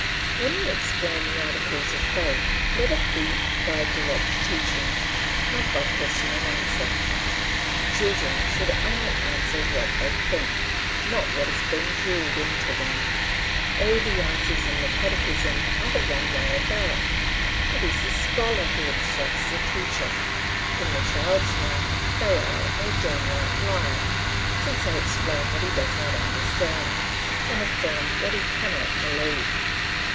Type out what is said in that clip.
When you explain the Articles of Faith let it be by direct teaching, not by question and answer. Children should only answer what they think, not what has been drilled into them. All the answers in the catechism are the wrong way about; it is the scholar who instructs the teacher; in the child's mouth they are a downright lie, since they explain what he does not understand, and affirm what he cannot believe.